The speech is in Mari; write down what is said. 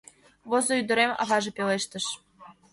— Возо, ӱдырем, — аваже пелештыш.